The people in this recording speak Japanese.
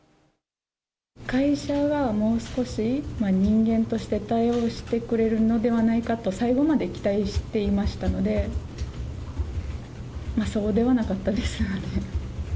会社がもう少し人間として対応してくれるのではないかと、最後まで期待していましたので、そうではなかったですよね。